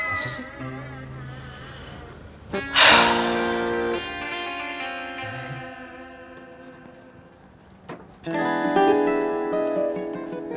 apa sih sih